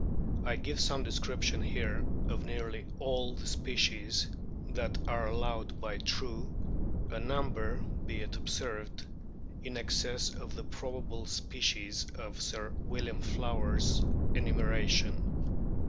I give some description here of nearly all the species that are allowed by True, a number be it observed in excess of the probable species of Sir William Flower's enumeration.